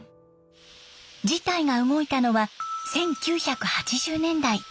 事態が動いたのは１９８０年代。